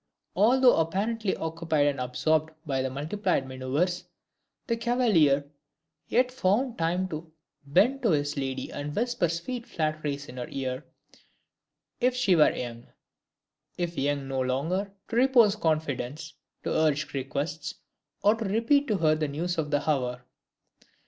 Although apparently occupied and absorbed by these multiplied manoeuvres, the cavalier yet found time to bend to his lady and whisper sweet flatteries in her ear, if she were young; if young no longer, to repose confidence, to urge requests, or to repeat to her the news of the hour.